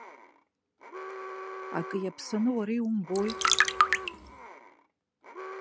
Акы иаԥсаны уара иумбои?